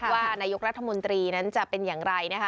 ว่านายกรัฐมนตรีนั้นจะเป็นอย่างไรนะคะ